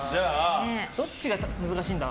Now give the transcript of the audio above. どっちが難しいんだ？